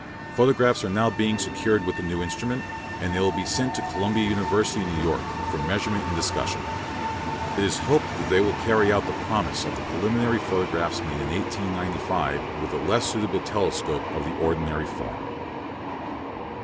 Photographs are now being secured with the new instrument, and they will be sent to Columbia University, New York, for measurement and discussion. It is hoped that they will carry out the promise of the preliminary photographs made in 1895 with a less suitable telescope of the ordinary form.